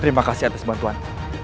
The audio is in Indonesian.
terima kasih atas bantuan